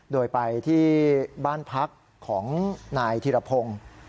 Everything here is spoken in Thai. โดยไปที่บ้านพักของนายธิรพงศ์